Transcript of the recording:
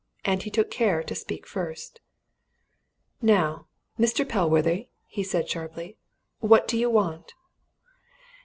And he took care to speak first. "Now, Mr. Pellworthy?" he said sharply. "What do you want?"